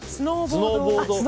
スノーボード。